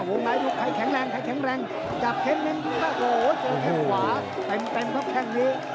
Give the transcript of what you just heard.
โว้งไงไขแข็งแรงจับเข้มนิดหนึ่งโอ้โฮขวาเต็มเพราะแค่นี้